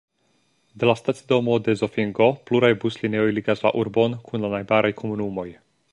De la stacidomo de Zofingo pluraj buslinioj ligas la urbon kun la najbaraj komunumoj.